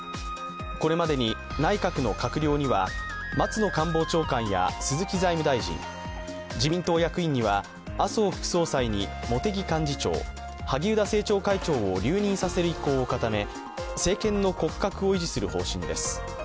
これまでに内閣の閣僚には松野官房長官や鈴木財務大臣、自民党役員には麻生副総裁に茂木幹事長、萩生田政調会長を留任させる意向を固め政権の骨格を維持する方針です。